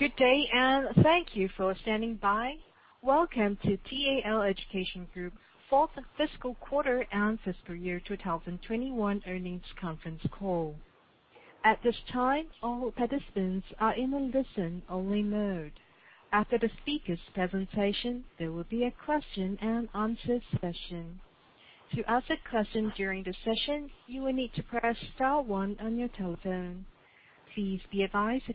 Good day, and thank you for standing by. Welcome to TAL Education Group fourth fiscal quarter and fiscal year 2021 earnings conference call. I'd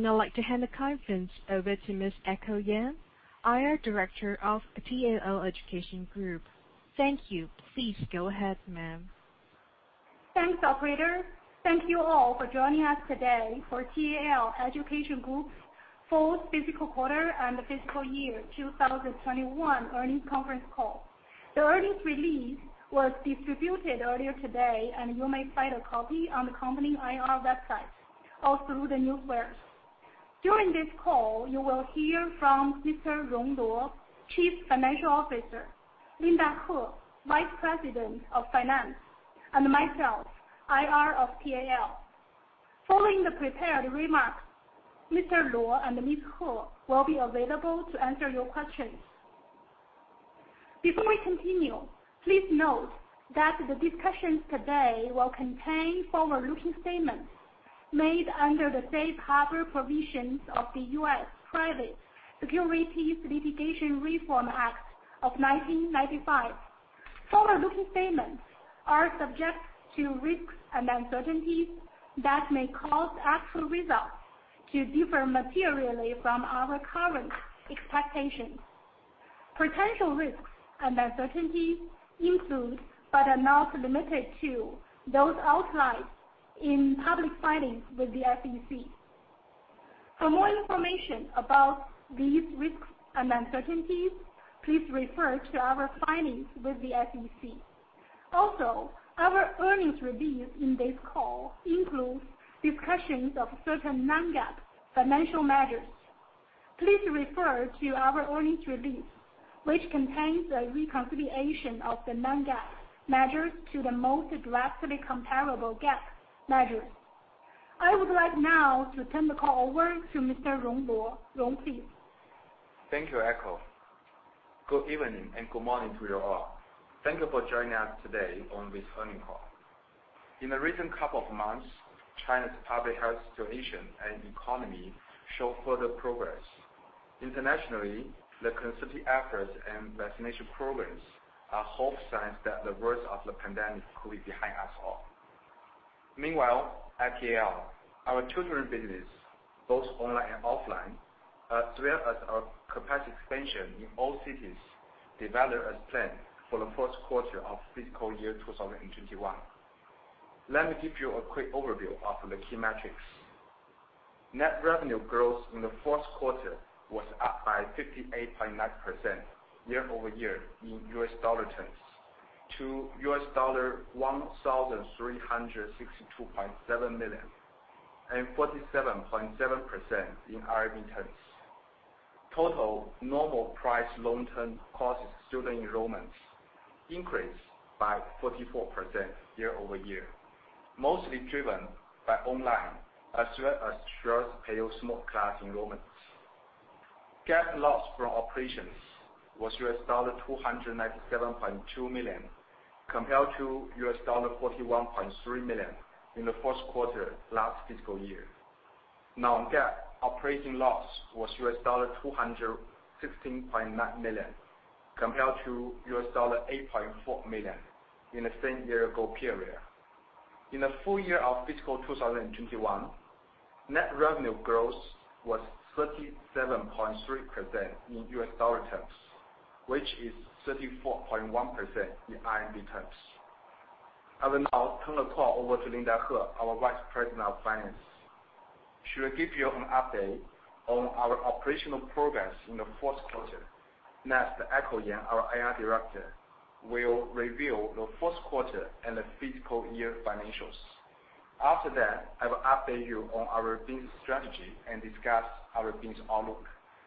now like to hand the conference over to Ms. Echo Yan, IR Director of TAL Education Group. Thank you. Please go ahead, ma'am. Thanks, operator. Thank you all for joining us today for TAL Education Group's fourth fiscal quarter and fiscal year 2021 earnings conference call. The earnings release was distributed earlier today, and you may find a copy on the company IR website or through the newswire. During this call, you will hear from Mr. Rong Luo, Chief Financial Officer, Linda He, Vice President of Finance, and myself, IR of TAL. Following the prepared remarks, Mr. Luo and Ms. He will be available to answer your questions. Before we continue, please note that the discussions today will contain forward-looking statements made under the Safe Harbor provisions of the U.S. Private Securities Litigation Reform Act of 1995. Forward-looking statements are subject to risks and uncertainties that may cause actual results to differ materially from our current expectations. Potential risks and uncertainties include, but are not limited to, those outlined in public filings with the SEC. For more information about these risks and uncertainties, please refer to our filings with the SEC. Our earnings release in this call includes discussions of certain non-GAAP financial measures. Please refer to our earnings release, which contains a reconciliation of the non-GAAP measures to the most directly comparable GAAP measures. I would like now to turn the call over to Mr. Rong Luo. Rong, please. Thank you, Echo. Good evening and good morning to you all. Thank you for joining us today on this earnings call. In the recent couple of months, China's public health situation and economy show further progress. Internationally, the concerted efforts and vaccination programs are hopeful signs that the worst of the pandemic could be behind us all. Meanwhile, at TAL, our tutoring business, both online and offline, as well as our capacity expansion in all cities, developed as planned for the first quarter of fiscal year 2021. Let me give you a quick overview of the key metrics. Net revenue growth in the fourth quarter was up by 58.9% year-over-year in US dollar terms to $1,362.7 million, and 47.7% in RMB terms. Total normal price long-term courses student enrollments increased by 44% year-over-year, mostly driven by online, as well as Xueersi Peiyou Small Class enrollments. GAAP loss from operations was $297.2 million compared to $41.3 million in the first quarter last fiscal year. Non-GAAP operating loss was $216.9 million compared to $8.4 million in the same year-ago period. In the full year of fiscal 2021, net revenue growth was 37.3% in USD terms, which is 34.1% in CNY terms. I will now turn the call over to Linda He, our Vice President of Finance. She will give you an update on our operational progress in the fourth quarter. Next, Echo Yan, our IR Director, will reveal the fourth quarter and the fiscal year financials. After that, I will update you on our business strategy and discuss our business outlook.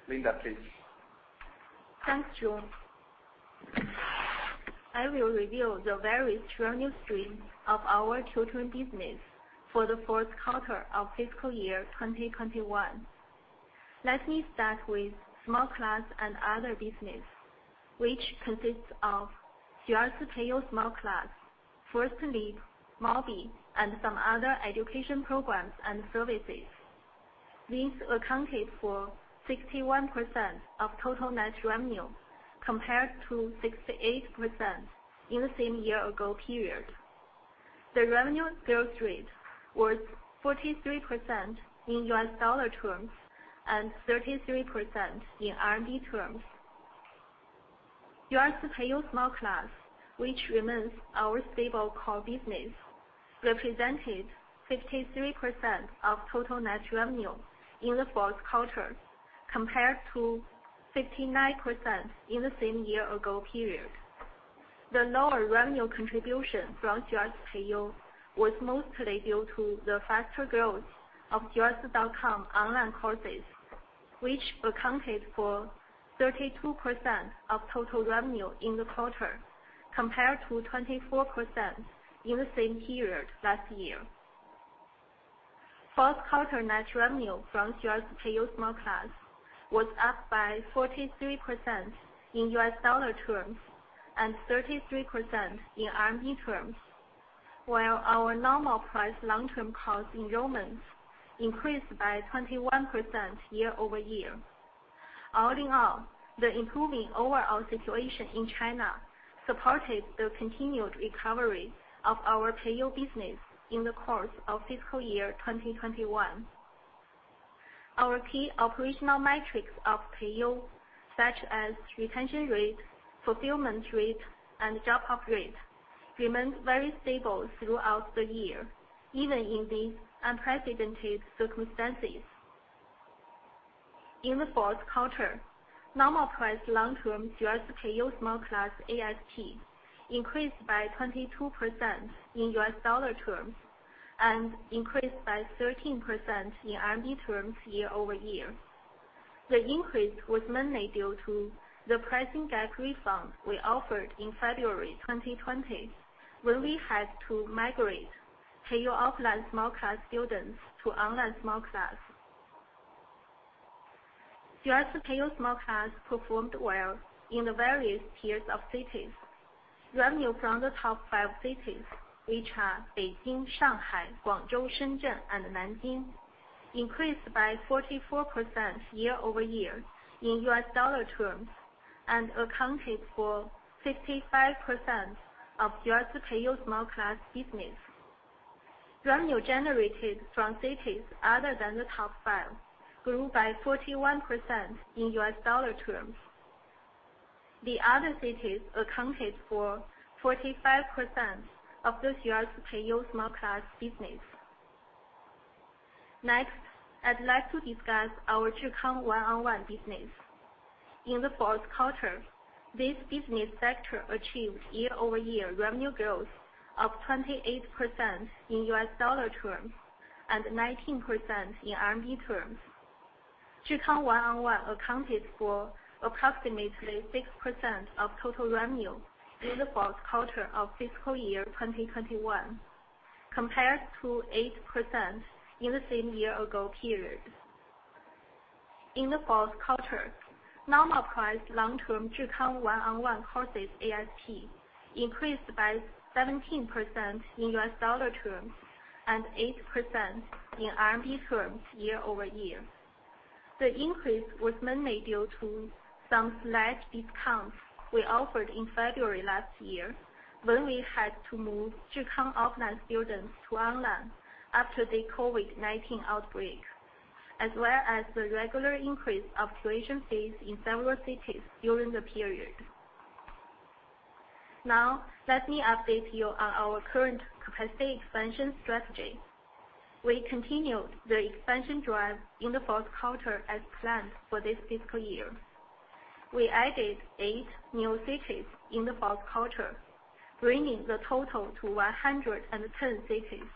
Linda, please. Thanks, Rong. I will reveal the various revenue streams of our tutoring business for the fourth quarter of fiscal year 2021. Let me start with small class and other business, which consists of Xueersi Peiyou Small Class, First Leap, Mobby, and some other education programs and services. These accounted for 61% of total net revenue, compared to 68% in the same year-ago period. The revenue growth rate was 43% in US dollar terms and 33% in RMB terms. Xueersi Peiyou Small Class, which remains our stable core business, represented 53% of total net revenue in the fourth quarter, compared to 59% in the same year-ago period. The lower revenue contribution from Xueersi Peiyou was mostly due to the faster growth of Xueersi.com online courses which accounted for 32% of total revenue in the quarter, compared to 24% in the same period last year. Fourth quarter net revenue from Xueersi Peiyou Small Class was up by 43% in $ terms and 33% in CNY terms, while our normal price long-term course enrollments increased by 21% year-over-year. All in all, the improving overall situation in China supported the continued recovery of our Peiyou business in the course of fiscal year 2021. Our key operational metrics of Peiyou, such as retention rate, fulfillment rate, and drop-off rate, remained very stable throughout the year, even in these unprecedented circumstances. In the fourth quarter, normal price long-term Xueersi Peiyou Small Class ASP increased by 22% in $ terms and increased by 13% in CNY terms year-over-year. The increase was mainly due to the pricing gap refund we offered in February 2020, when we had to migrate Peiyou offline small-class students to online small-class. Xueersi Peiyou Small Class performed well in the various tiers of cities. Revenue from the top five cities, which are Beijing, Shanghai, Guangzhou, Shenzhen, and Nanjing, increased by 44% year-over-year in US dollar terms and accounted for 55% of Xueersi Peiyou Small Class business. Revenue generated from cities other than the top five grew by 41% in US dollar terms. The other cities accounted for 45% of the Xueersi Peiyou Small Class business. Next, I'd like to discuss our Zhikang One-on-One business. In the fourth quarter, this business sector achieved year-over-year revenue growth of 28% in US dollar terms and 19% in CNY terms. Zhikang One-on-One accounted for approximately 6% of total revenue in the fourth quarter of fiscal year 2021, compared to 8% in the same year-ago period. In the fourth quarter, normal price long-term Zhikang One-On-One courses ASP increased by 17% in $ terms and 8% in CNY terms year-over-year. The increase was mainly due to some slight discounts we offered in February last year, when we had to move Zhikang offline students to online after the COVID-19 outbreak, as well as the regular increase of tuition fees in several cities during the period. Now, let me update you on our current capacity expansion strategy. We continued the expansion drive in the fourth quarter as planned for this fiscal year. We added eight new cities in the fourth quarter, bringing the total to 110 cities,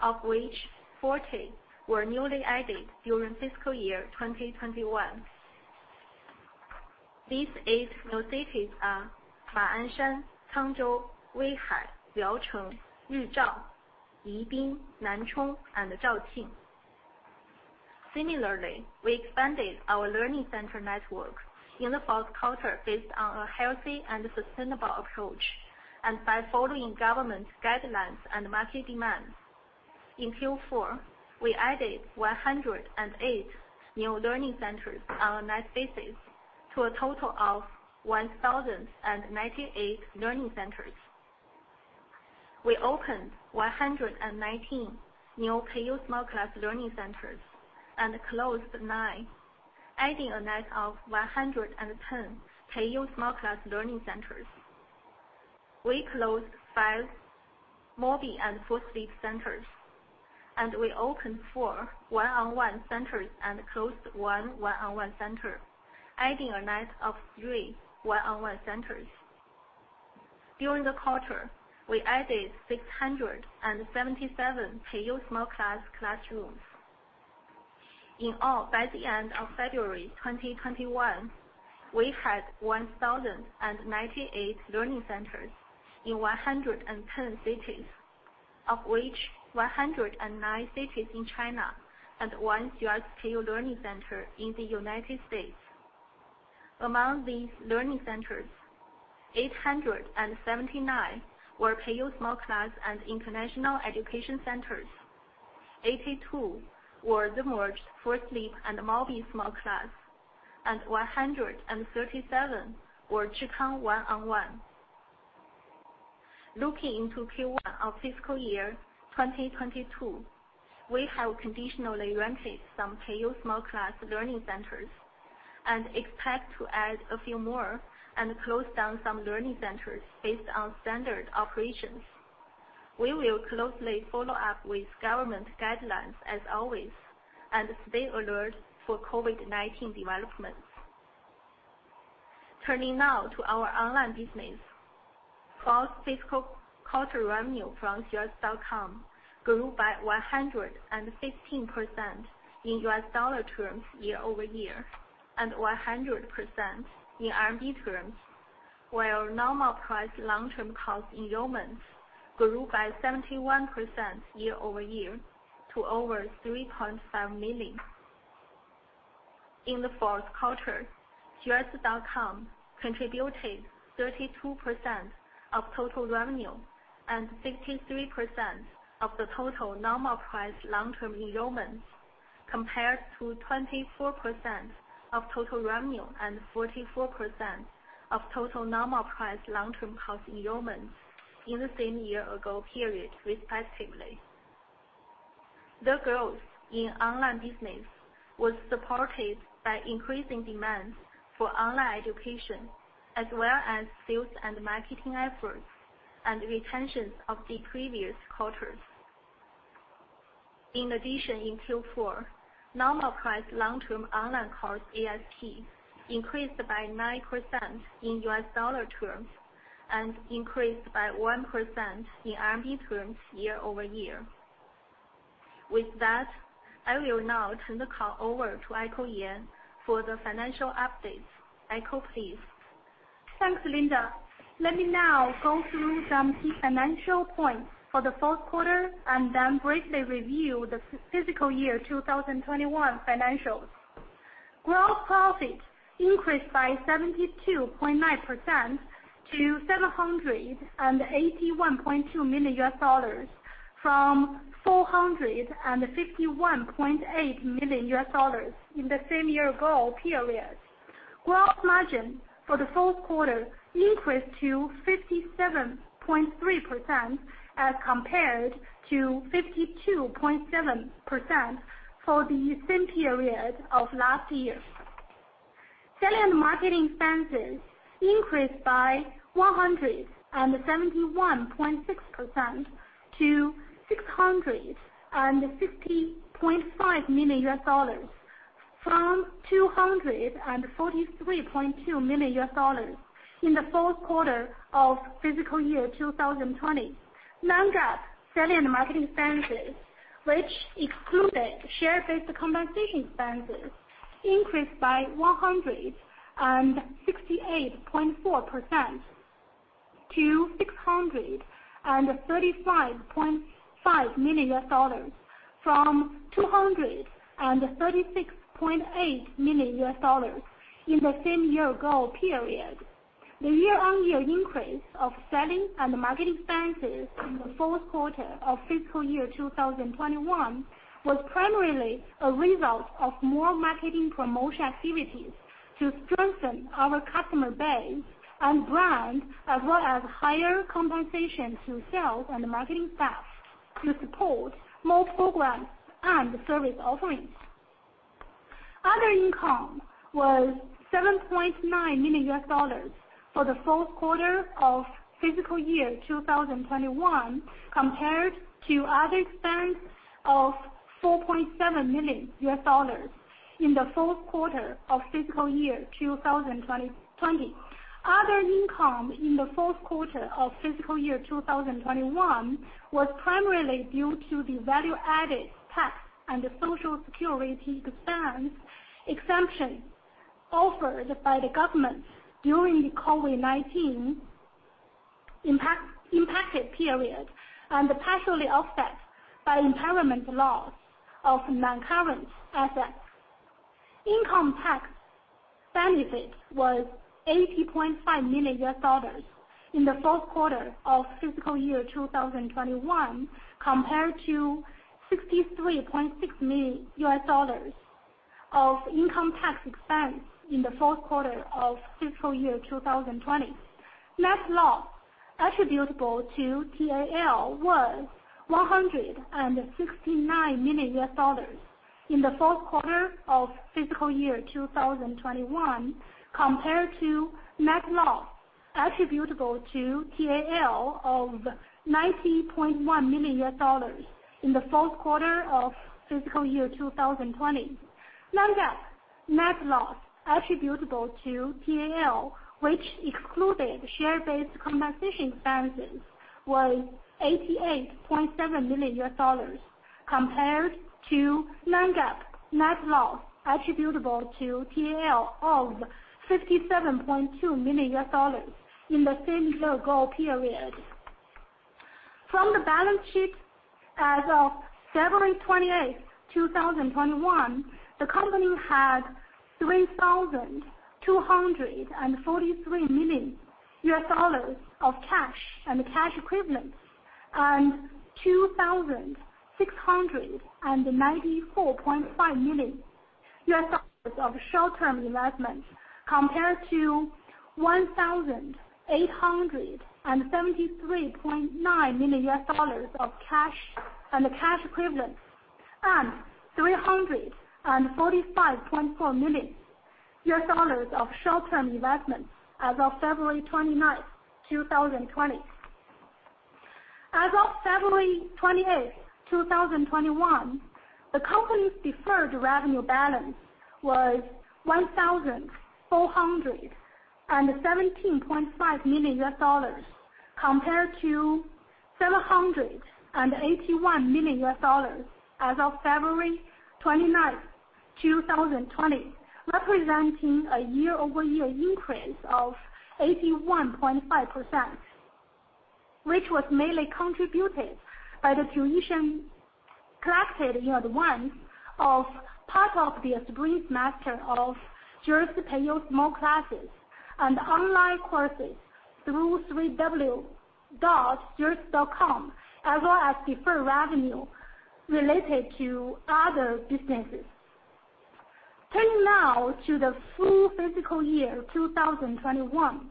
of which 40 were newly added during fiscal year 2021. These eight new cities are Ma'anshan, Cangzhou, Weihai, Liaocheng, Yuzhou, Yibin, Nanchong, and Zhaoqing. Similarly, we expanded our learning center network in the fourth quarter based on a healthy and sustainable approach, and by following government guidelines and market demand. In Q4, we added 108 new learning centers on a net basis to a total of 1,098 learning centers. We opened 119 new Peiyou Small Class learning centers and closed nine, adding a net of 110 Peiyou Small Class learning centers. We closed five Mobby and First Leap centers, and we opened four one-on-one centers and closed one one-on-one center, adding a net of three one-on-one centers. During the quarter, we added 677 Peiyou Small Class classrooms. In all, by the end of February 2021, we had 1,098 learning centers in 110 cities, of which 109 cities in China and one JR-C Peiyou learning center in the United States. Among these learning centers, 879 were Peiyou Small Class and international education centers. 82 were the merged First Leap and Mobby small class, and 137 were Zhikang one-on-one. Looking into Q1 of FY 2022, we have conditionally rented some Peiyou Small Class learning centers and expect to add a few more and close down some learning centers based on standard operations. We will closely follow up with government guidelines as always and stay alert for COVID-19 developments. Turning now to our online business. Gross fiscal quarter revenue from tal.com grew by 116% in U.S. dollar terms year-over-year, and 100% in CNY terms, while normal price long-term course enrollments grew by 71% year-over-year to over 3.5 million. In the fourth quarter, tal.com contributed 32% of total revenue and 63% of the total normal price long-term enrollments, compared to 24% of total revenue and 44% of total normal price long-term course enrollments in the same year-ago period respectively. The growth in online business was supported by increasing demand for online education, as well as sales and marketing efforts, and retention of the previous quarters. In addition, in Q4, normal price long-term online course ASP increased by 9% in USD terms and increased by 1% in CNY terms year-over-year. With that, I will now turn the call over to Echo Yan for the financial update. Echo, please. Thanks, Linda. Let me now go through some key financial points for the fourth quarter, and then briefly review the FY 2021 financials. Gross profit increased by 72.9%-$781.2 million from $451.8 million in the same year-ago period. Gross margin for the fourth quarter increased to 57.3% as compared to 52.7% for the same period of last year. Selling and marketing expenses increased by 171.6% to $650.5 million from $243.2 million in the fourth quarter of FY 2020. Non-GAAP selling and marketing expenses, which excluded share-based compensation expenses, increased by 168.4%-$635.5 million from $236.8 million in the same year-ago period. The year-over-year increase of selling and marketing expenses in the fourth quarter of fiscal year 2021 was primarily a result of more marketing promotion activities to strengthen our customer base and brand, as well as higher compensation to sales and marketing staff to support more programs and service offerings. Other income was $7.9 million for the fourth quarter of fiscal year 2021 compared to other expense of $4.7 million in the fourth quarter of fiscal year 2020. Other income in the fourth quarter of fiscal year 2021 was primarily due to the value-added tax and social security expense exemption offered by the government during the COVID-19 impacted period, and partially offset by impairment loss of non-current assets. Income tax benefit was $80.5 million in the fourth quarter of fiscal year 2021 compared to $63.6 million of income tax expense in the fourth quarter of fiscal year 2020. Net loss attributable to TAL was $169 million in the fourth quarter of fiscal year 2021, compared to net loss attributable to TAL of $90.1 million in the fourth quarter of fiscal year 2020. Non-GAAP net loss attributable to TAL, which excluded share-based compensation expenses, was $88.7 million, compared to Non-GAAP net loss attributable to TAL of $57.2 million in the same year-ago period. From the balance sheet as of February 28th, 2021, the company had $3,243 million of cash and cash equivalents and $2,694.5 million of short-term investments, compared to $1,873.9 million of cash and cash equivalents and $345.4 million of short-term investments as of February 29th, 2020. As of February 28th, 2021, the company's deferred revenue balance was $1,417.5 million compared to $781 million as of February 29th, 2020, representing a year-over-year increase of 81.5%, which was mainly contributed by the tuition collected in advance of part of the spring semester of Jiu Zhou Peiyou Small Class and online courses through www.jiuzhou.com, as well as deferred revenue related to other businesses. Turning now to the full fiscal year 2021,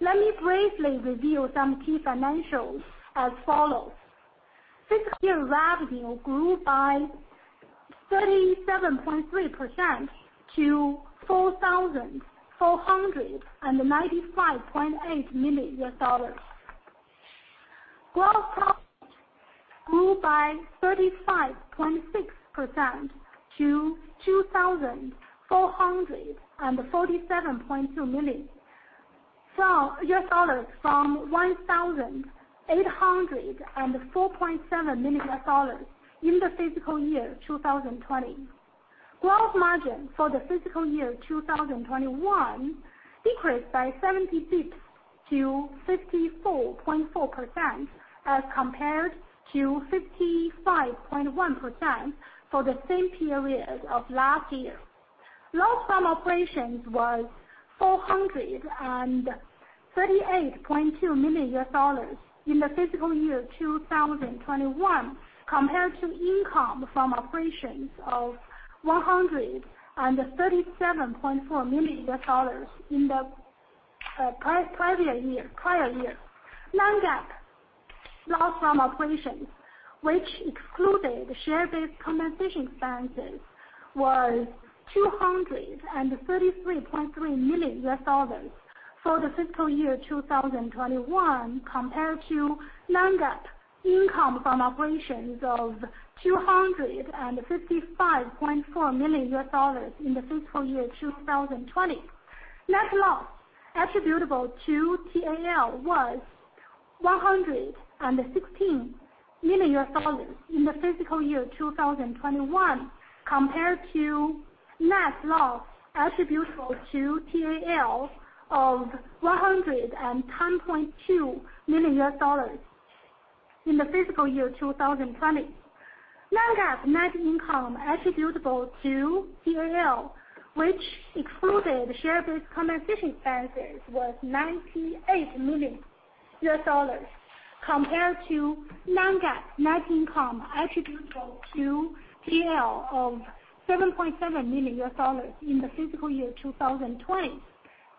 let me briefly review some key financials as follows. Fiscal year revenue grew by 37.3%-$4,495.8 million. Gross profit grew by 35.6%-$2,447.2 million from $1,804.7 million in the fiscal year 2020. Gross margin for the fiscal year 2021 decreased by 70 basis points to 54.4% as compared to 55.1% for the same period of last year. Loss from operations was $438.2 million in the fiscal year 2021 compared to income from operations of $137.4 million in the prior year. Non-GAAP loss from operations, which excluded share-based compensation expenses, was $233.3 million for the fiscal year 2021 compared to Non-GAAP income from operations of $255.4 million in the fiscal year 2020. Net loss attributable to TAL was $116 million in the fiscal year 2021 compared to net loss attributable to TAL of $110.2 million in the fiscal year 2020. Non-GAAP net income attributable to TAL, which excluded share-based compensation expenses, was $98 million compared to Non-GAAP net income attributable to TAL of $7.7 million in the fiscal year 2020.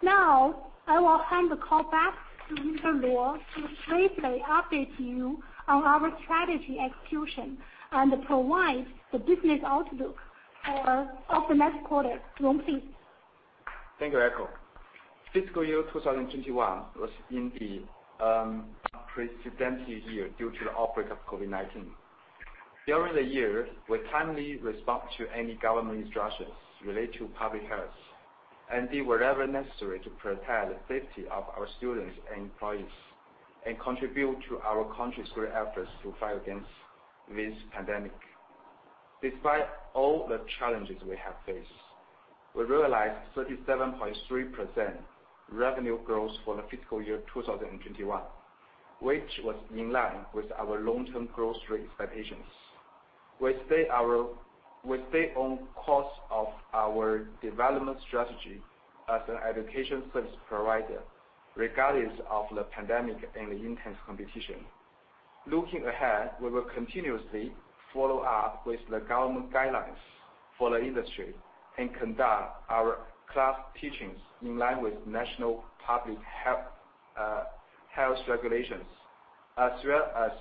Now, I will hand the call back to Rong Luo to briefly update you on our strategy execution and provide the business outlook for the next quarter. Rong. Thank you, Echo. Fiscal year 2021 was an unprecedented year due to the outbreak of COVID-19. During the year, we timely respond to any government instructions related to public health and did whatever necessary to protect the safety of our students and employees and contribute to our country's great efforts to fight against this pandemic. Despite all the challenges we have faced, we realized 37.3% revenue growth for the fiscal year 2021, which was in line with our long-term growth rate expectations. We stay on course of our development strategy as an education service provider, regardless of the pandemic and the intense competition. Looking ahead, we will continuously follow up with the government guidelines for the industry and conduct our class teachings in line with national public health regulations, as well as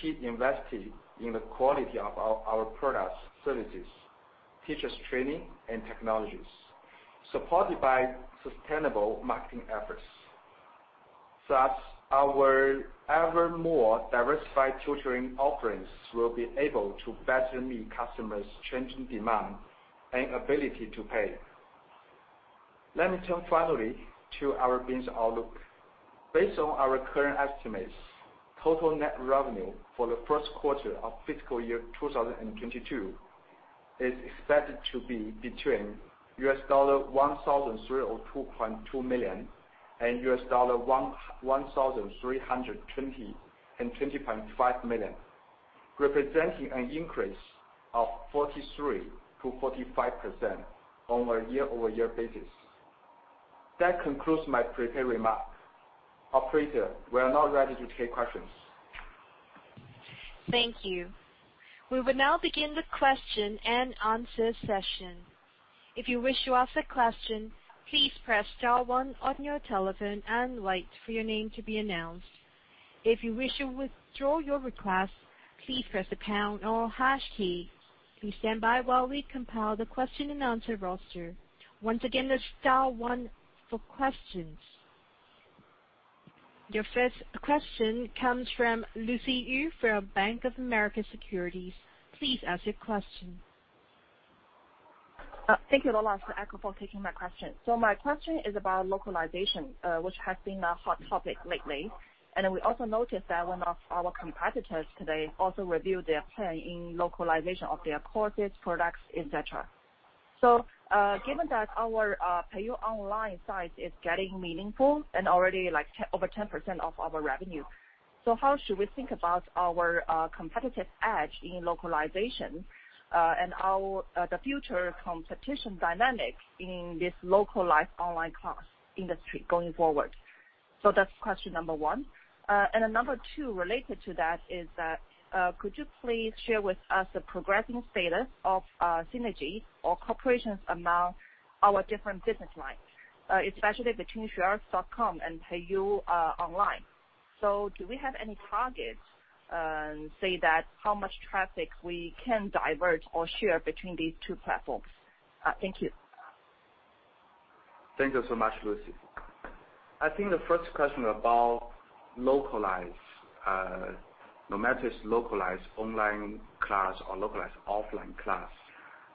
keep investing in the quality of our products, services, teachers training, and technologies, supported by sustainable marketing efforts. Thus, our ever more diversified tutoring offerings will be able to better meet customers' changing demand and ability to pay. Let me turn finally to our business outlook. Based on our current estimates, total net revenue for the first quarter of fiscal year 2022 is expected to be between $1,302.2 million and $1,320.5 million, representing an increase of 43%-45% on a year-over-year basis. That concludes my prepared remarks. Operator, we are now ready to take questions. Thank you. We will now begin the question and answer session. If you wish to ask a question, please press star one on your telephone and wait for your name to be announced. If you wish to withdraw your request, please press the pound or hash key. Please stand by while we compile the question and answer roster. Once again, that's star one for questions. Your first question comes from Lucy Yu from Bank of America Securities. Please ask your question. Thank you, Rong Luo, for taking my question. My question is about localization, which has been a hot topic lately. We also noticed that one of our competitors today also reviewed their plan in localization of their courses, products, et cetera. Given that our Peiyou Online site is getting meaningful and already over 10% of our revenue, so how should we think about our competitive edge in localization, and the future competition dynamic in this localized online class industry going forward? That's question number one. Number two, related to that, is could you please share with us the progressing status of synergy or cooperation among our different business lines, especially between Xueersi.com and Peiyou Online. Do we have any targets, say how much traffic we can divert or share between these two platforms? Thank you. Thank you so much, Lucy. I think the first question about localized, no matter it's localized online class or localized offline class,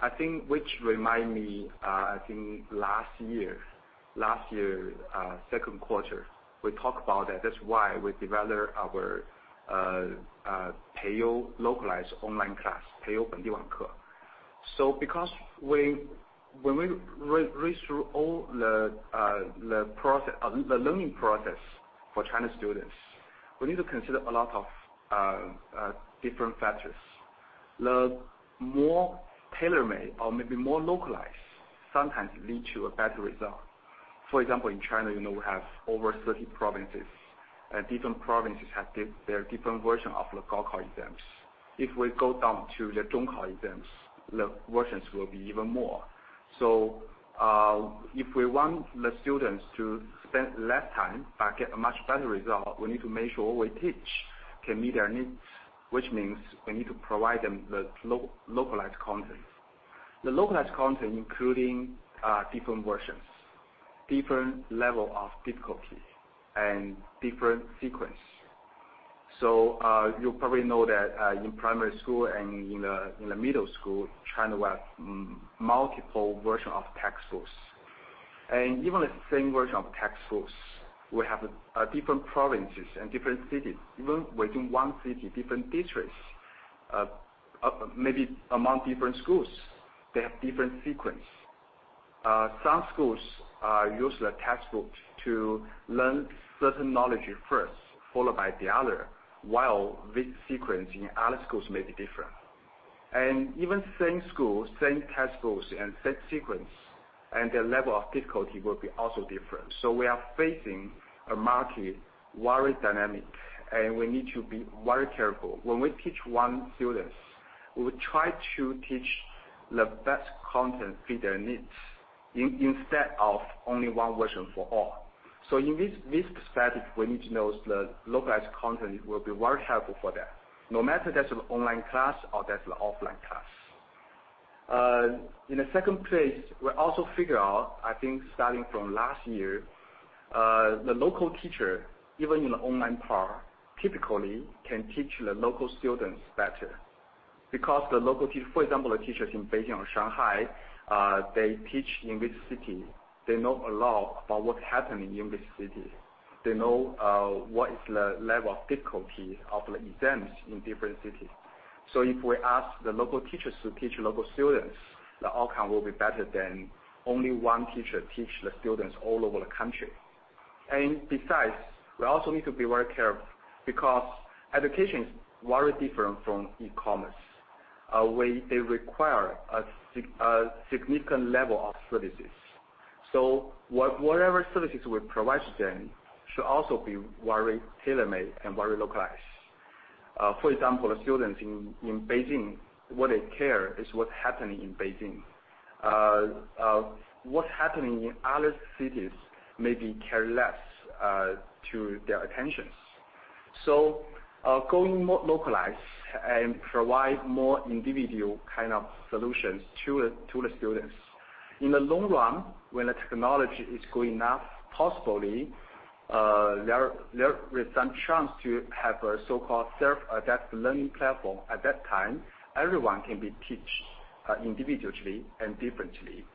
I think, which remind me, I think last year, second quarter, we talked about that. That's why we developed our Peiyou localized online class, Peiyou. Because when we read through all the learning process for China students, we need to consider a lot of different factors. The more tailor-made or maybe more localized sometimes lead to a better result. For example, in China, we have over 30 provinces, and different provinces have their different version of the Gaokao exams. If we go down to the Zhongkao exams, the versions will be even more. If we want the students to spend less time but get a much better result, we need to make sure what we teach can meet their needs, which means we need to provide them with localized content. The localized content including different versions, different level of difficulty, and different sequence. You probably know that in primary school and in the middle school, China has multiple version of textbooks. Even the same version of textbooks, we have different provinces and different cities. Even within one city, different districts, maybe among different schools, they have different sequence. Some schools use the textbooks to learn certain knowledge first, followed by the other, while this sequence in other schools may be different. Even same school, same textbooks, and same sequence, and the level of difficulty will be also different. We are facing a market, very dynamic, and we need to be very careful. When we teach one student, we would try to teach the best content fit their needs, instead of only one version for all. In this specific, we need to know the localized content will be very helpful for that. No matter that's an online class or that's an offline class. In the second place, we also figure out, I think starting from last year, the local teacher, even in the online part, typically can teach the local students better. The local teacher, for example, the teachers in Beijing or Shanghai, they teach in this city. They know a lot about what happened in this city. They know what is the level of difficulty of the exams in different cities. If we ask the local teachers to teach local students, the outcome will be better than only one teacher teach the students all over the country. Besides, we also need to be very careful because education is very different from e-commerce, where they require a significant level of services. Whatever services we provide to them should also be very tailor-made and very localized. For example, the students in Beijing, what they care is what's happening in Beijing. What's happening in other cities may be carried less to their attentions. Going more localized and provide more individual kind of solutions to the students. In the long run, when the technology is good enough, possibly, there is some chance to have a so-called self-adaptive learning platform. At that time, everyone can be teached individually and differently.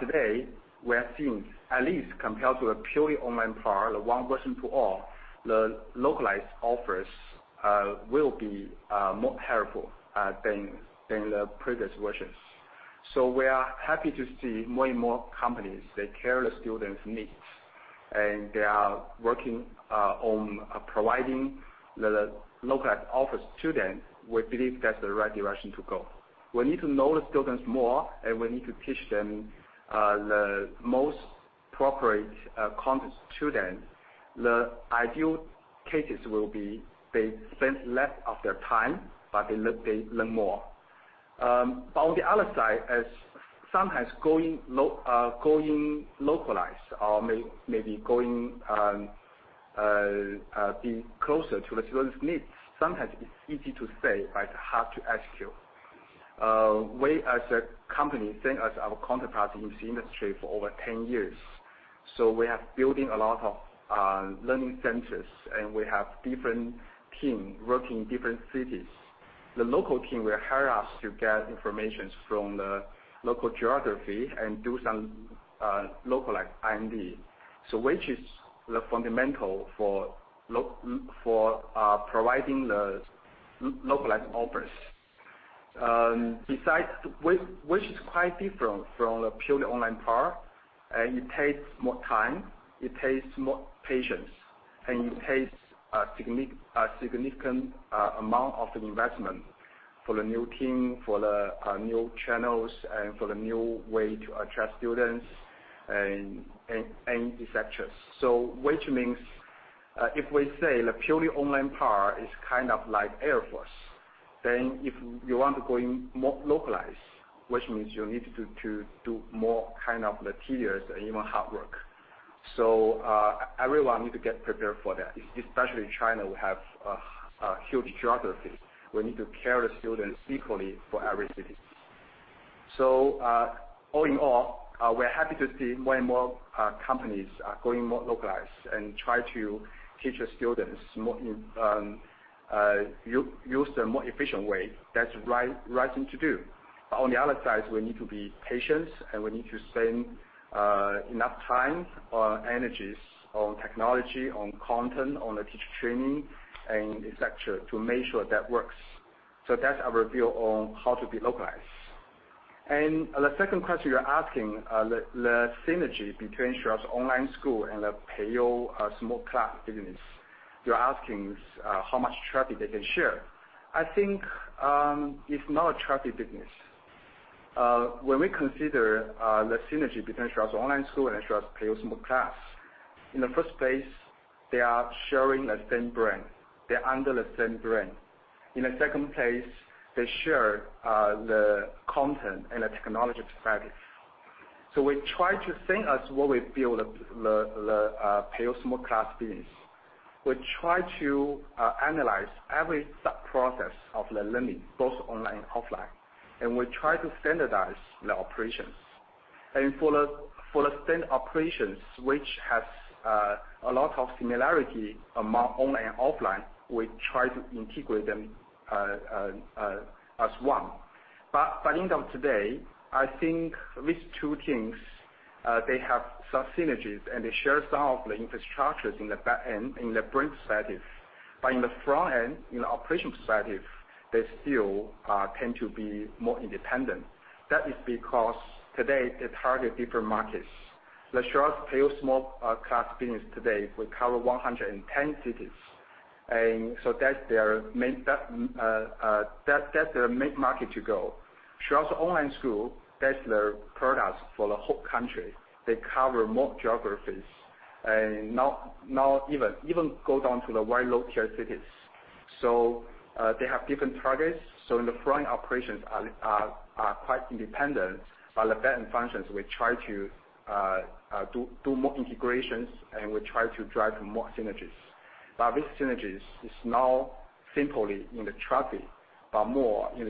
Today, we are seeing, at least compared to a purely online prior, the one version to all, the localized offers will be more powerful than the previous versions. We are happy to see more and more companies, they care the students' needs, and they are working on providing the localized offer to them. We believe that's the right direction to go. We need to know the students more, and we need to teach them the most appropriate content to them. The ideal cases will be they spend less of their time, but they learn more. On the other side, as sometimes going localized or maybe going closer to the student's needs. Sometimes it's easy to say, but hard to execute. We, as a company, think as our counterpart in this industry for over 10 years. We are building a lot of learning centers, and we have different teams working in different cities. The local team will hire us to get information from the local geography and do some localized R&D. Which is the fundamental for providing the localized offers. Besides, which is quite different from a purely online part, and it takes more time, it takes more patience, and it takes a significant amount of the investment for the new team, for the new channels, and for the new way to attract students, and et cetera. Which means, if we say the purely online part is like air force, then if you want to go in more localized, which means you need to do more kind of the tedious and even hard work. Everyone need to get prepared for that, especially China, we have a huge geography. We need to carry students equally for every city. All in all, we're happy to see more and more companies are going more localized and try to teach the students, use the more efficient way. That's the right thing to do. On the other side, we need to be patient, and we need to spend enough time or energies on technology, on content, on the teacher training and et cetera, to make sure that works. That's our view on how to be localized. The second question you're asking, the synergy between Xueersi Online School and the Peiyou Small Class business. You're asking how much traffic they can share. I think, it's not a traffic business. When we consider the synergy between Xueersi Online School and Xueersi Peiyou Small Class, in the first place, they are sharing the same brand. They're under the same brand. In the second place, they share the content and the technology side. We try to think as what we build the Peiyou Small Class business. We try to analyze every sub-process of the learning, both online and offline. We try to standardize the operations. For the same operations, which has a lot of similarity among online and offline, we try to integrate them as one. At the end of today, I think these two things, they have some synergies, and they share some of the infrastructures in the back end, in the brand side. In the front end, in the operation side, they still tend to be more independent. That is because today they target different markets. The Xueersi Peiyou Small Class business today will cover 110 cities. That's their main market to go. Xueersi Online School, that's their product for the whole country. They cover more geographies and now even go down to the very low-tier cities. They have different targets. The front operations are quite independent. The back end functions, we try to do more integrations, and we try to drive more synergies. With synergies, it's now simply in the traffic, but more in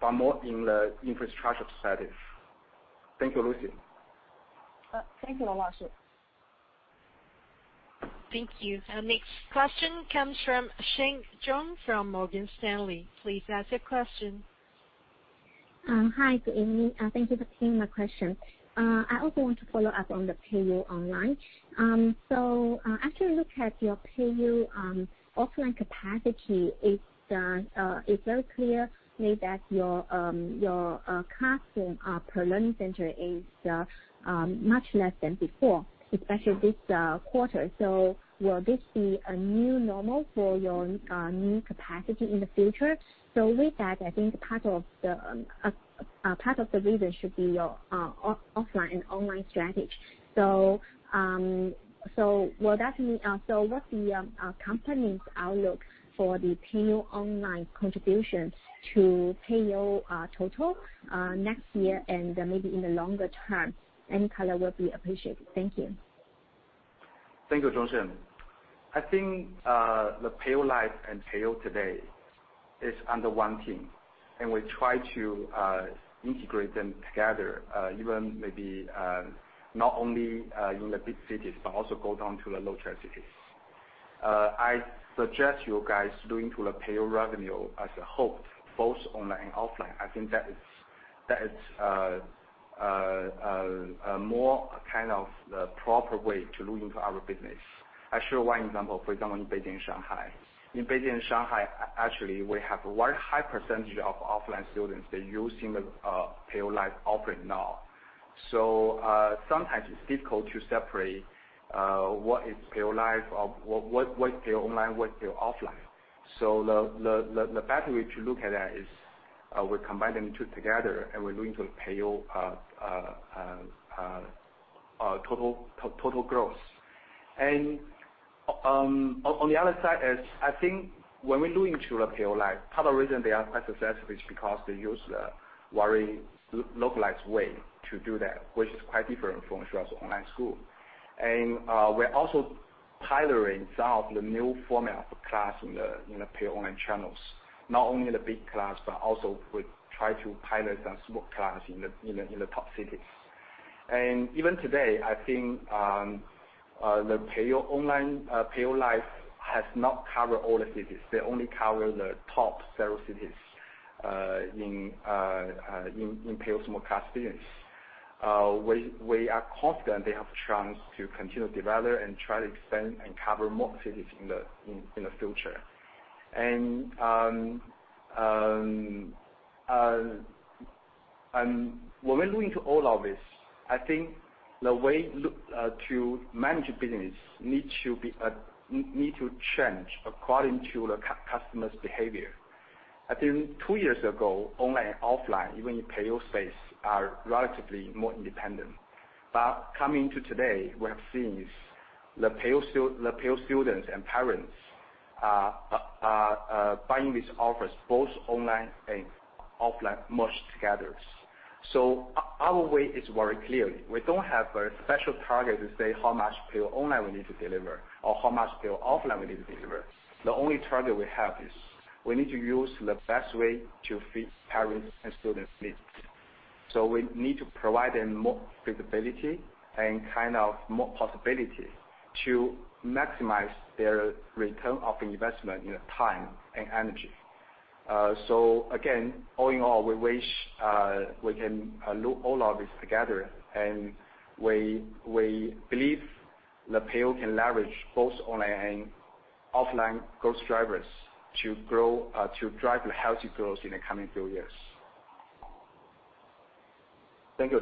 the infrastructure side. Thank you, Lucy. Thank you, Rong Luo. Thank you. Next question comes from Sheng Zhong from Morgan Stanley. Please ask your question. Hi, good evening. Thank you for taking my question. I also want to follow up on the Peiyou Online. After a look at your Peiyou offline capacity, it's very clear that your classroom per learning center is much less than before, especially this quarter. Will this be a new normal for your new capacity in the future? With that, I think part of the reason should be your offline and online strategy. What's the company's outlook for the Peiyou Online contribution to Peiyou total next year and maybe in the longer term? Any color will be appreciated. Thank you. Thank you, Sheng Zhong. I think, the Peiyou Live and Peiyou today is under one team, and we try to integrate them together, even maybe not only in the big cities, but also go down to the low-tier cities. I suggest you guys look into the Peiyou revenue as a whole, both online and offline. I think that is a more kind of the proper way to look into our business. I show one example. For example, in Beijing and Shanghai. In Beijing and Shanghai, actually, we have a very high percentage of offline students. They're using the Peiyou Live offering now. Sometimes it's difficult to separate what is Peiyou Live, or what is Peiyou online, what is Peiyou offline. The better way to look at that is we combine them two together, and we're going to Peiyou total growth. On the other side is, I think when we look into the Peiyou Live, part of the reason they are quite successful is because they use the very localized way to do that, which is quite different from Xueersi Online School. We're also piloting some of the new formats of class in the Peiyou Online channels, not only the big class, but also we try to pilot some small class in the top cities. Even today, I think the Peiyou Online, Peiyou Live has not covered all the cities. They only cover the top several cities in Peiyou Small Class business. We are confident they have a chance to continue to develop and try to expand and cover more cities in the future. When we look into all of this, I think the way to manage business need to change according to the customer's behavior. I think two years ago, online, offline, even in Peiyou space, are relatively more independent. Coming to today, we have seen the Peiyou students and parents are buying these offers, both online and offline merged together. Our way is very clear. We don't have a special target to say how much Peiyou online we need to deliver or how much Peiyou offline we need to deliver. The only target we have is we need to use the best way to fit parents' and students' needs. We need to provide them more flexibility and more possibility to maximize their return of investment in time and energy. Again, all in all, we wish we can look all of this together, and we believe that Peiyou can leverage both online and offline growth drivers to drive the healthy growth in the coming few years. Thank you,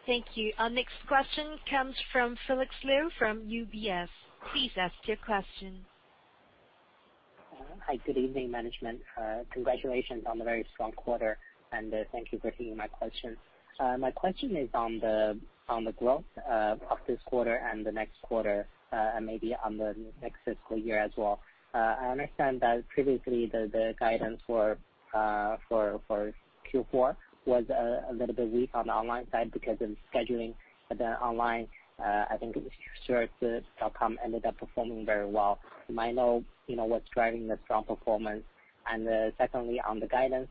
Dong Xin. Thank you. Our next question comes from Felix Liu from UBS. Please ask your question. Hi, good evening, management. Congratulations on the very strong quarter, and thank you for taking my question. My question is on the growth of this quarter and the next quarter, and maybe on the next fiscal year as well. I understand that previously the guidance for Q4 was a little bit weak on the online side because of scheduling. Online, I think Xueersi.com ended up performing very well. Might know what's driving the strong performance? Secondly, on the guidance,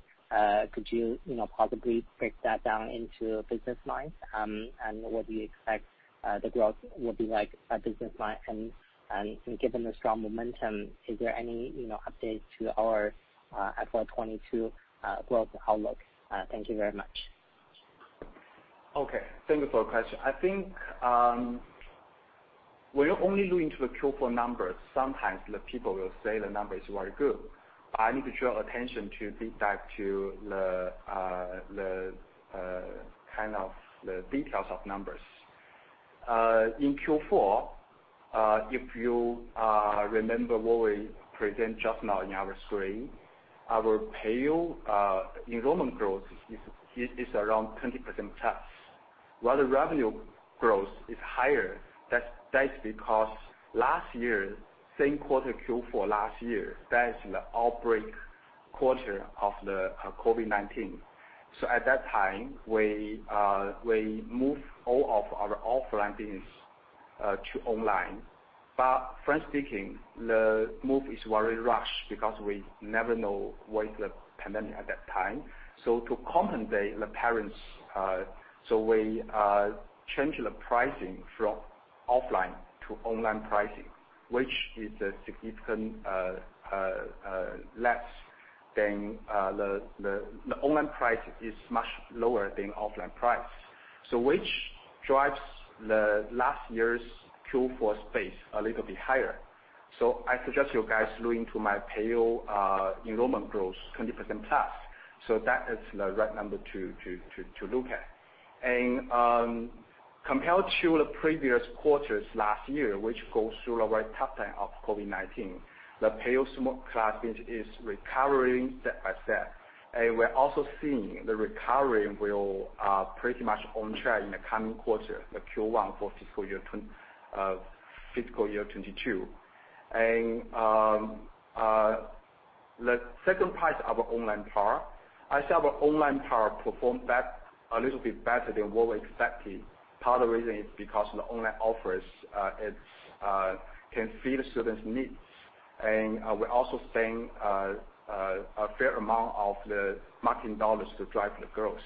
could you possibly break that down into business lines, and what do you expect the growth will be like by business line? Given the strong momentum, is there any update to our FY22 growth outlook? Thank you very much. Okay, thank you for your question. I think when you only look into the Q4 numbers, sometimes the people will say the numbers were good. I need to draw attention to dig back to the details of numbers. In Q4, if you remember what we present just now in our screen, our Peiyou enrollment growth is around 20% plus. While the revenue growth is higher, that's because last year, same quarter, Q4 last year, that is the outbreak quarter of the COVID-19. At that time, we moved all of our offline business to online. frank speaking, the move is very rushed because we never know where is the pandemic at that time. To compensate the parents, so we change the pricing from offline to online pricing, which is a significant less than the online price is much lower than offline price. Which drives the last year's Q4 space a little bit higher. I suggest you guys look into my Peiyou enrollment growth, 20%+. That is the right number to look at. Compared to the previous quarters last year, which goes through the very tough time of COVID-19, the Peiyou Small Class business is recovering step by step. We're also seeing the recovery will pretty much on track in the coming quarter, the Q1 for FY 2022. The second part is our online power. I say our online power performed a little bit better than what we expected. Part of the reason is because the online offers can fill the students' needs. We're also seeing a fair amount of the marketing $ to drive the growth.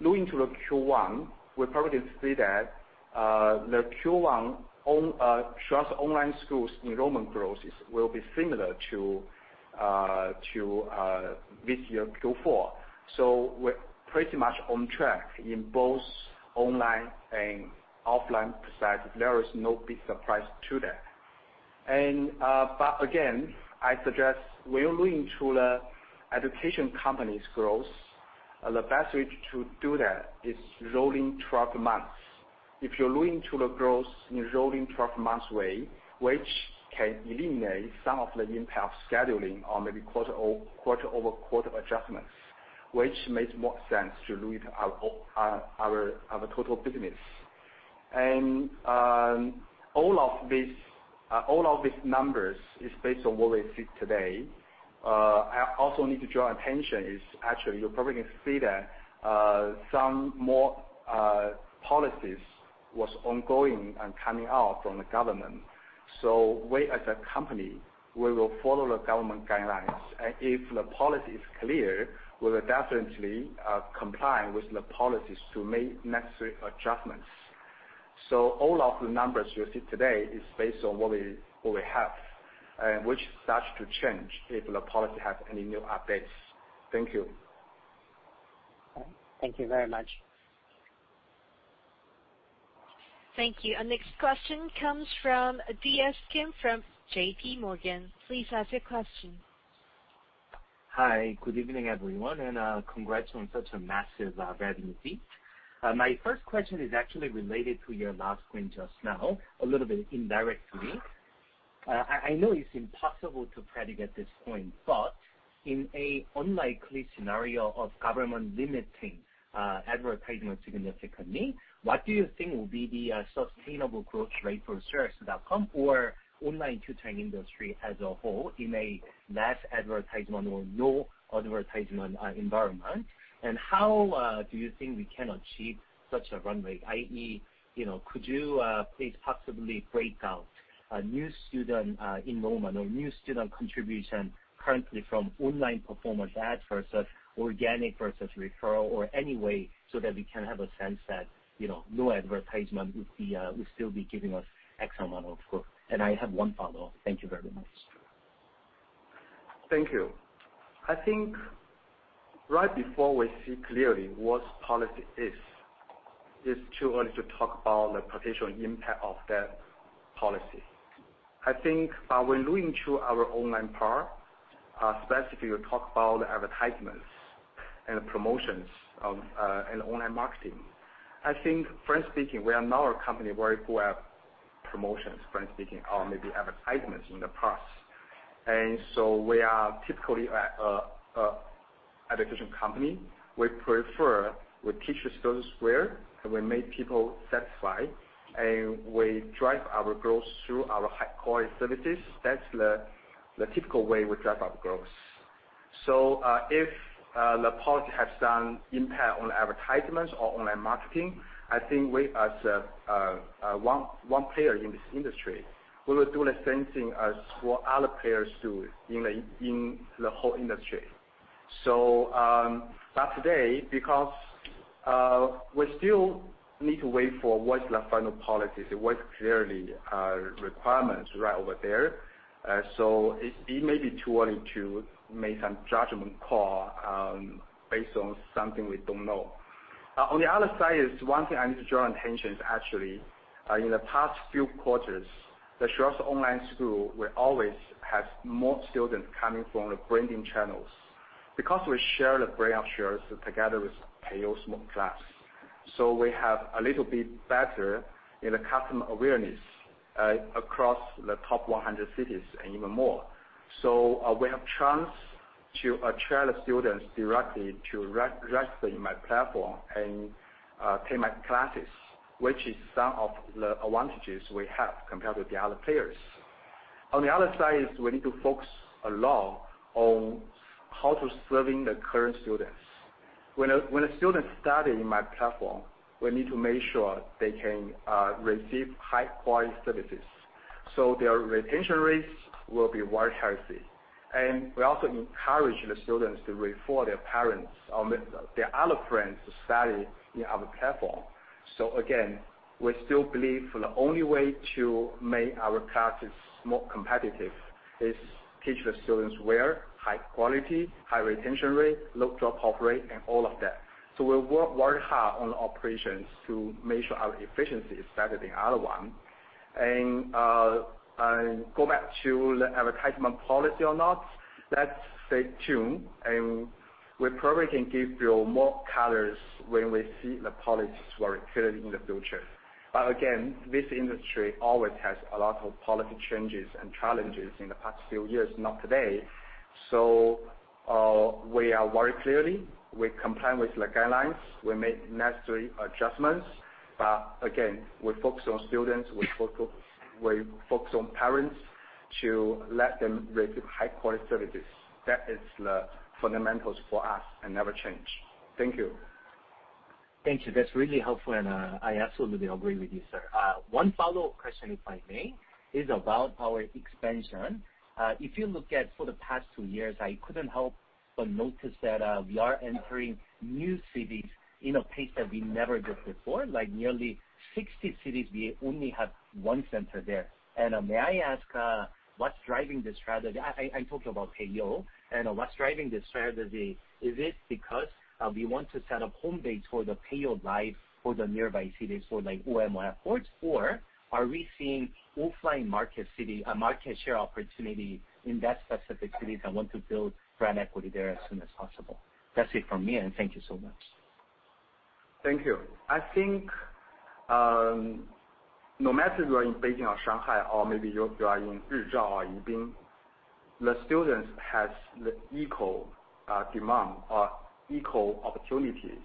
Looking to the Q1, we probably see that the Q1 Xueersi Online Schools enrollment growth will be similar to this year Q4. We're pretty much on track in both online and offline side. There is no big surprise to that. Again, I suggest when you look into the education company's growth, the best way to do that is rolling 12 months. If you're looking to the growth in rolling 12 months way, which can eliminate some of the impact of scheduling or maybe quarter-over-quarter adjustments, which makes more sense to look at our total business. All of these numbers are based on what we see today. I also need to draw attention is, actually, you probably can see that some more policies were ongoing and coming out from the government. We, as a company, will follow the government guidelines, and if the policy is clear, we will definitely comply with the policies to make necessary adjustments. All of the numbers you see today are based on what we have, and which starts to change if the policy has any new updates. Thank you. All right. Thank you very much. Thank you. Our next question comes from DS Kim from JPMorgan. Please ask your question. Hi, good evening, everyone, and congrats on such a massive revenue peak. My first question is actually related to your last point just now, a little bit indirectly. I know it's impossible to predict at this point, but in an unlikely scenario of government limiting advertisements significantly, what do you think will be the sustainable growth rate for Xueersi.com or online tutoring industry as a whole in a less advertisement or no advertisement environment? How do you think we can achieve such a run rate? I.e., could you please possibly break out a new student enrollment or new student contribution currently from online performance ads versus organic versus referral, or any way so that we can have a sense that no advertisement would still be giving us X amount of growth? I have one follow-up. Thank you very much. Thank you. I think right before we see clearly what policy is, it's too early to talk about the potential impact of that policy. I think by looking through our online product, specifically, we talk about advertisements and promotions of an online marketing. I think, frankly speaking, we are now a company where we have promotions, frankly speaking, or maybe advertisements in the past. We are typically an education company. We prefer we teach the students well, and we make people satisfied, and we drive our growth through our high-quality services. That's the typical way we drive up growth. If the policy has some impact on advertisements or online marketing, I think we, as one player in this industry, will do the same thing as what other players do in the whole industry. Today, because we still need to wait for what's the final policy, what's clear requirements right over there. It may be too early to make some judgment call based on something we don't know. On the other side is one thing I need to draw your attention is actually, in the past few quarters, the Xueersi Online School will always have more students coming from the branding channels because we share the brand Xueersi together with Peiyou Small Class. We have a little bit better in the customer awareness across the top 100 cities and even more. We have a chance to attract the students directly to register in my platform and pay my classes, which is some of the advantages we have compared with the other players. On the other side is we need to focus a lot on how to serving the current students. When a student study in my platform, we need to make sure they can receive high-quality services. Their retention rates will be very healthy. We also encourage the students to refer their parents or their other friends to study in our platform. Again, we still believe the only way to make our classes more competitive is teach the students well, high quality, high retention rate, low drop-off rate, and all of that. We'll work very hard on operations to make sure our efficiency is better than the other one. Going back to the advertisement policy or not, let's stay tuned, and we probably can give you more colors when we see the policies more clearly in the future. Again, this industry always has a lot of policy changes and challenges in the past few years, not today. We are very clearly, we comply with the guidelines, we make necessary adjustments, but again, we focus on students, we focus on parents to let them receive high-quality services. That is the fundamentals for us and never change. Thank you. Thank you. That's really helpful, and I absolutely agree with you, sir. One follow-up question, if I may, is about our expansion. If you look at for the past two years, I couldn't help but notice that we are entering new cities in a pace that we never did before, like nearly 60 cities, we only have one center there. May I ask what's driving the strategy? I'm talking about Peiyou and what's driving the strategy. Is it because we want to set up home base for the Peiyou Live for the nearby cities for like OMO efforts? Are we seeing offline market share opportunity in that specific cities and want to build brand equity there as soon as possible? That's it from me. Thank you so much. Thank you. I think no matter if you are in Beijing or Shanghai or maybe you are in Rizhao or Yibin, the students have the equal demand or equal opportunity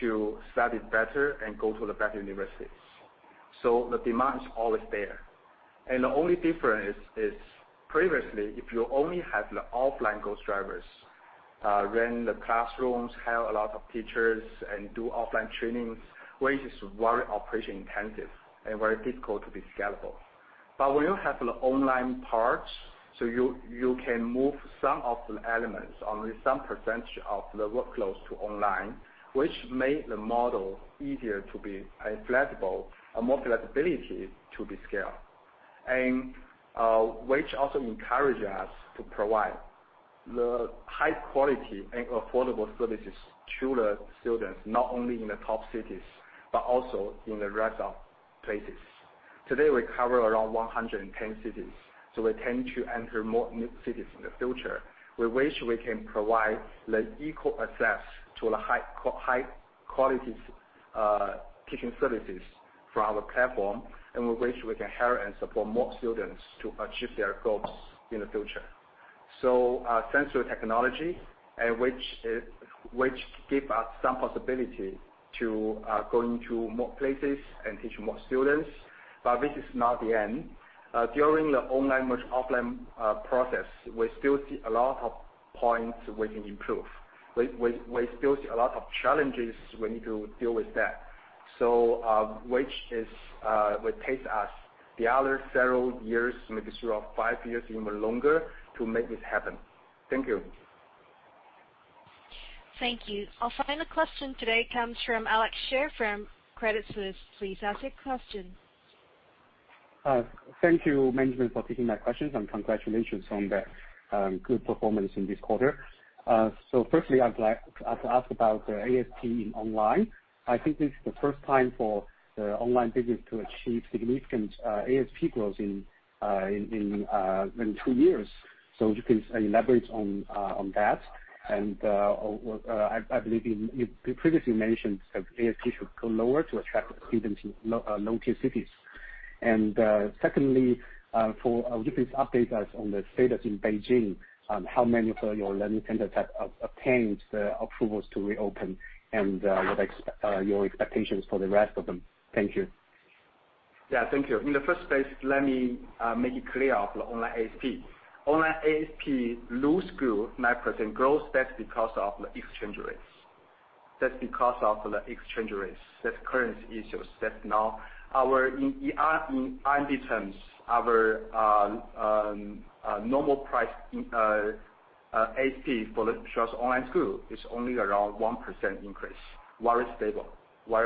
to study better and go to the better universities. The demand is always there. The only difference is previously, if you only have the offline ghost drivers, then the classrooms have a lot of teachers and do offline trainings, which is very operation intensive and very difficult to be scalable. When you have the online parts, you can move some of the elements, only some percentage of the workflows to online, which made the model easier to be flexible and more flexibility to be scaled. Which also encourages us to provide the high quality and affordable services to the students, not only in the top cities, but also in the rest of places. Today, we cover around 110 cities. We tend to enter more new cities in the future. We wish we can provide the equal access to the high quality teaching services for our platform, and we wish we can hire and support more students to achieve their goals in the future. Thanks to technology, which give us some possibility to go into more places and teach more students. This is not the end. During the online, much offline process, we still see a lot of points we can improve. We still see a lot of challenges, we need to deal with that. Which will take us the other several years, maybe sort of five years, even longer, to make it happen. Thank you. Thank you. Our final question today comes from Alex Xie from Credit Suisse. Please ask your question. Thank you, management, for taking my questions, and congratulations on the good performance in this quarter. Firstly, I'd like to ask about the ASP in online. I think this is the first time for the online business to achieve significant ASP growth in two years. If you can elaborate on that, I believe you previously mentioned that ASP should go lower to attract students in low-tier cities. Secondly, if you could update us on the status in Beijing, how many of your learning centers have obtained the approvals to reopen, and what are your expectations for the rest of them? Thank you. Thank you. In the first place, let me make it clear of the online ASP. Online ASP lose good 9% growth. That's because of the exchange rates. That's currency issues. That's now our, in CNY terms, our normal price ASP for the [shuos] online school is only around 1% increase. Very stable. We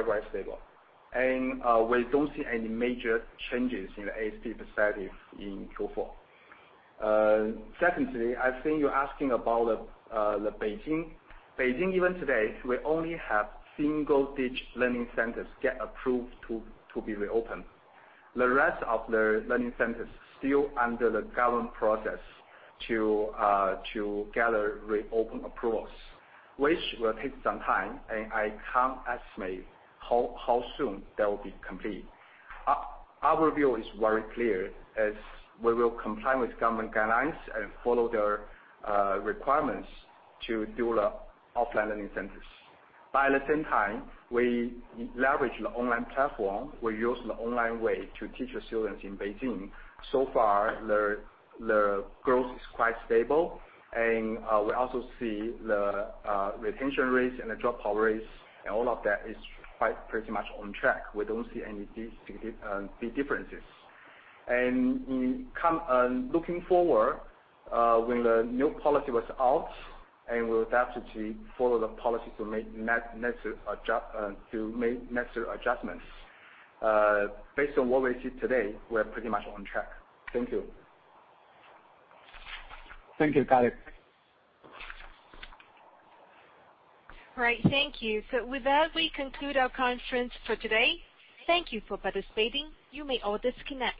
don't see any major changes in the ASP perspective in Q4. Secondly, I think you're asking about Beijing. Beijing, even today, we only have single-digit learning centers get approved to be reopened. The rest of the learning centers still under the government process to gather reopen approvals, which will take some time, and I can't estimate how soon that will be complete. Our view is very clear, as we will comply with government guidelines and follow their requirements to do the offline learning centers. At the same time, we leverage the online platform. We use the online way to teach the students in Beijing. So far, the growth is quite stable, and we also see the retention rates and the dropout rates, and all of that is pretty much on track. We don't see any big differences. Looking forward, when the new policy was out, and we adapted to follow the policy to make necessary adjustments. Based on what we see today, we're pretty much on track. Thank you. Thank you. Got it. All right. Thank you. With that, we conclude our conference for today. Thank you for participating. You may all disconnect.